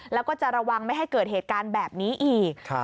แล้วก็จะระวังไม่ให้เกิดเหตุการณ์แบบนี้อีก